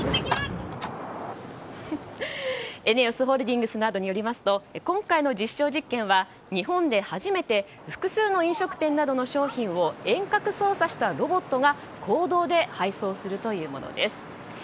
ＥＮＥＯＳホールディングスなどによりますと今回の実証実験は日本で初めて複数の飲食店などの商品を遠隔操作したロボットが公道で配送するというものです。